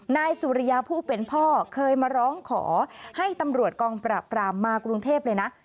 นายสุริยาผู้เป็นพ่อเคยมาร้องขอให้ตำรวจกองปราบปรามมากรุงเทพเลยนะ